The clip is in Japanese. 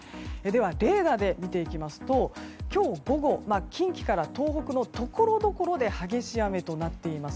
レーダーで見ていきますと今日午後、近畿から東北のところどころで激しい雨となっています。